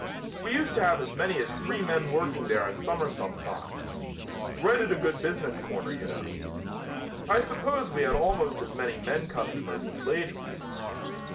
We used to have as many as three men working there in summer sometimes. Right at a good business corner, you know. I suppose we had almost as many men customers as ladies."